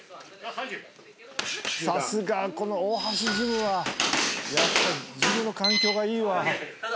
さすがこの大橋ジムはやっぱりジムの環境がいいわ。